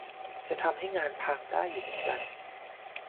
จะทำให้งานพังได้อยู่เหมือนกัน